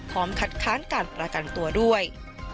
พร้อมขัดค้านการประกันตัวด้วย